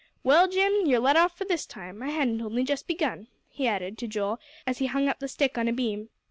"Well, Jim, you're let off for this time. I hadn't only just begun," he added to Joel, as he hung up the stick on a beam.